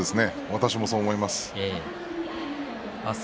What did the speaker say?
私もそう思います。